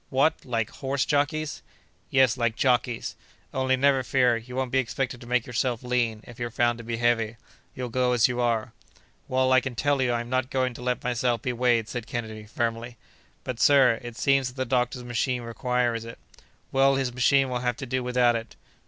"What! like horse jockeys?" "Yes, like jockeys. Only, never fear, you won't be expected to make yourself lean, if you're found to be heavy. You'll go as you are." "Well, I can tell you, I am not going to let myself be weighed," said Kennedy, firmly. "But, sir, it seems that the doctor's machine requires it." "Well, his machine will have to do without it."